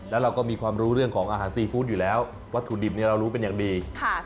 แล้วเราก็มีความรู้เรื่องของอาหารซีฟู้ดอยู่แล้ววัตถุดิบนี้เรารู้เป็นอย่างดี